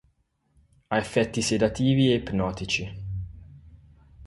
Ha effetti sedativi e ipnotici.